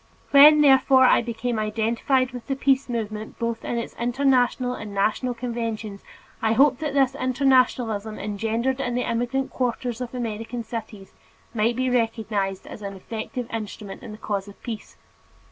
When, therefore, I became identified with the peace movement both in its International and National Conventions, I hoped that this internationalism engendered in the immigrant quarters of American cities might be recognized as an effective instrument in the cause of peace.